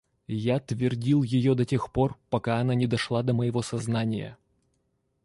Я твердил ее до тех пор, пока она не дошла до моего сознания.